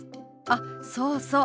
あっそうそう。